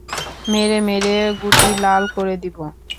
মেরে মেরে গুটি লাল করে দিব।